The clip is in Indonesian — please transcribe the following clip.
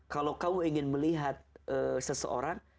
kalau kamu ingin melihat seseorang